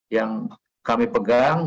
yang kami pegang